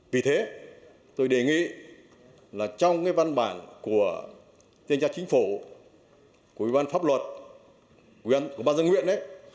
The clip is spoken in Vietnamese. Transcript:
vì thế tôi đề nghị là trong cái văn bản của tên gia chính phủ của văn pháp luật của ban dân nguyện ấy